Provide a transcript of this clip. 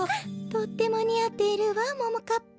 とってもにあっているわももかっぱ。